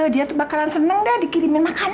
dia tuh bakalan seneng dah dikirimin makanan